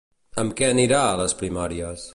Amb què anirà a les primàries?